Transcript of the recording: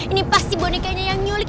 ini pasti bonekanya yang nyulik